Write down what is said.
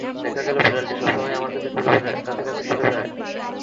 দেখা গেল বিড়ালটি সব সময়েই আমার কাছে কাছে ঘুরে বেড়ায়।